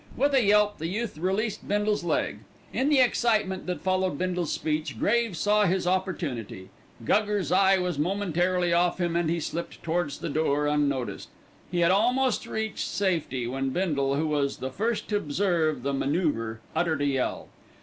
With a yelp the youth released Bindle's leg. In the excitement that followed Bindle's speech Graves saw his opportunity. Guggers' eye was momentarily off him and he slipped towards the door unnoticed. He had almost reached safety when Bindle, who was the first to observe the manoeuvre, uttered a yell.